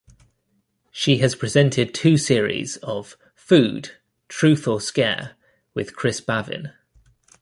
She has presented two series of "Food: Truth or Scare" with Chris Bavin.